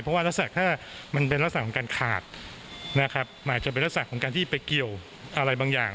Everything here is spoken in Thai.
เพราะว่ารักษณะถ้ามันเป็นลักษณะของการขาดนะครับอาจจะเป็นลักษณะของการที่ไปเกี่ยวอะไรบางอย่าง